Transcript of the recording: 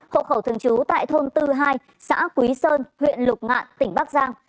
hộ khẩu thường trú tại thôn tư hai xã quý sơn huyện lục ngạn tỉnh bắc giang